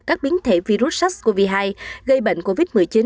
các biến thể virus sars cov hai gây bệnh covid một mươi chín